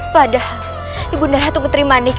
padahal ibu neratu kenterimanik